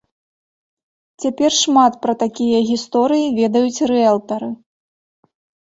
Цяпер шмат пра такія гісторыі ведаюць рыэлтары.